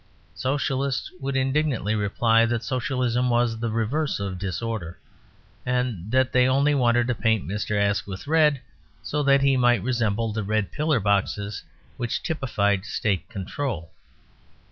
Socialists would indignantly reply that Socialism was the reverse of disorder, and that they only wanted to paint Mr. Asquith red so that he might resemble the red pillar boxes which typified State control.